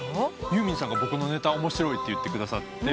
ユーミンさんが僕のネタを面白いって言ってくださって。